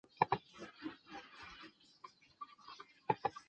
其多栖息于深海底。